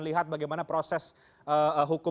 lihat bagaimana proses hukum